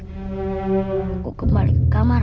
aku kembali ke kamar